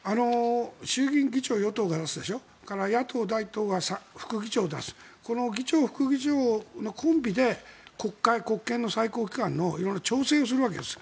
衆議院議長与党が出すでしょ野党第１党は副議長を出す議長、副議長のコンビで国会、国権の最高機関の調整を色々するんです。